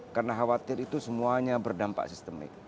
karena khawatir itu semuanya berdampak sistemik